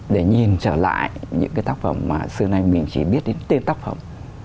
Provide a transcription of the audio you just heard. để nhìn trở lại những cái tác phẩm mà xưa nay mình chỉ biết đến tên tác phẩm